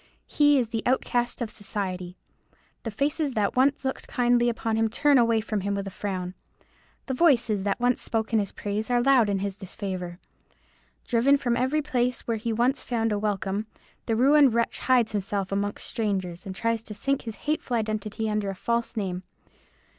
He is the outcast of society. The faces that once looked kindly on him turn away from him with a frown. The voices that once spoke in his praise are loud in his disfavour. Driven from every place where once he found a welcome, the ruined wretch hides himself among strangers, and tries to sink his hateful identity under a false name.